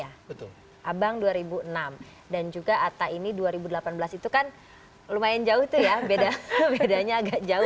abang dua ribu enam dan juga atta ini dua ribu delapan belas itu kan lumayan jauh tuh ya bedanya agak jauh